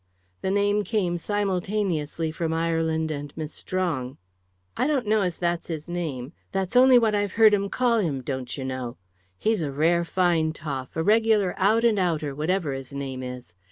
The name came simultaneously from Ireland and Miss Strong. "I don't know as that's his name that's only what I've heard 'em call him, don't yer know. He's a rare fine toff, a regular out and outer, whatever his name is.